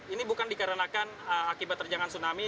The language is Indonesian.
ini bukan dikarenakan akibat terjangan tsunami